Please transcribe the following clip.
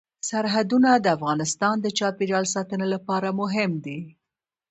سرحدونه د افغانستان د چاپیریال ساتنې لپاره مهم دي.